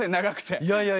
いやいやいやいや。